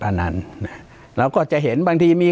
ปากกับภาคภูมิ